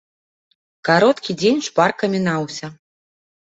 Кароткі дзень шпарка мінаўся.